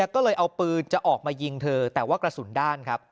ก็เลยเอาปืนจะออกมายิงเธอแต่ว่ากระสุนด้านครับ